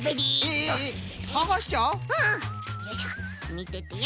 みててよ。